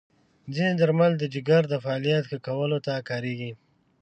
ځینې درمل د جګر د فعالیت ښه کولو ته کارېږي.